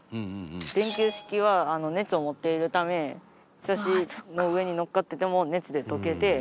電球式は熱を持っているため庇の上にのっかってても熱で溶けて。